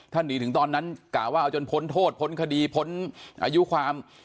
หนีถึงตอนนั้นกล่าวว่าเอาจนพ้นโทษพ้นคดีพ้นอายุความ